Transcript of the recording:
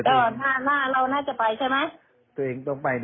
เอ้ยวันที่๖ตุลาทนี่ตัวเองก็ยังสั่ง๒๖มาเนี่ย